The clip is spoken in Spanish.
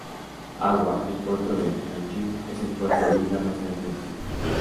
Agua: el Puerto de Nanjing es el puerto isla más grande de China.